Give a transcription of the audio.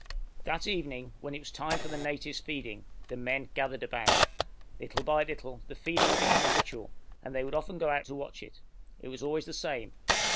That evening, when it was time for the natives' feeding, the men gathered about. Little by little the feeding had become a ritual, and they would often go out to watch it. It was always the same.